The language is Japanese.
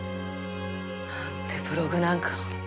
なんでブログなんかを。